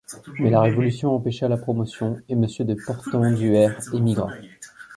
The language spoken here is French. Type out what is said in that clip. Mais la Révolution empêcha la promotion, et monsieur de Portenduère émigra.